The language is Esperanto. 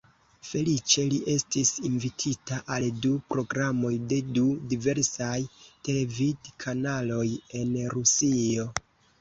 Feliĉe, li estis invitita al du programoj de du diversaj televid-kanaloj en Rusio.